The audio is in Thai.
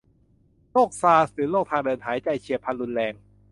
โรคซาร์สหรือโรคทางเดินหายใจเฉียบพลันรุนแรง